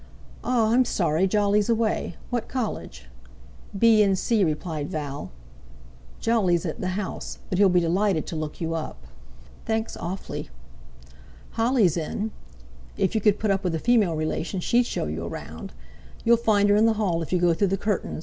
"Ah! I'm sorry Jolly's away. What college?" "B.N.C.," replied Val. "Jolly's at the 'House,' but he'll be delighted to look you up." "Thanks awfully." "Holly's in—if you could put up with a female relation, she'd show you round. You'll find her in the hall if you go through the curtains.